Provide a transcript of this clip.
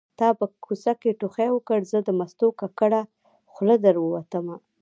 تا په کوڅه کې ټوخی وکړ زه د مستو ککړه خوله در ووتمه